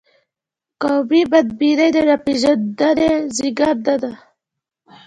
قومي بدبیني د ناپېژندنې زیږنده ده.